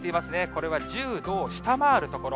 これは１０度を下回る所。